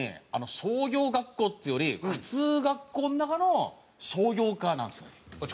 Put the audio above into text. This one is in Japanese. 商業学校っていうより普通学校の中の商業科なんですよね。